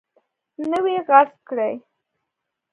نه وي غصب کړی.